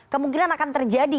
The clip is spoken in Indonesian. kemungkinan akan terjadi